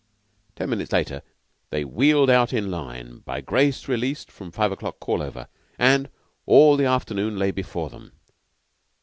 Ten minutes later they wheeled out in line, by grace released from five o'clock call over, and all the afternoon lay before them.